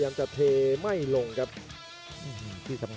กันต่อแพทย์จินดอร์